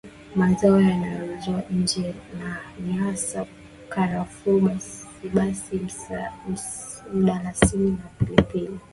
Mazao yanayouzwa nje ni hasa karafuu basibasi mdalasini na pilipili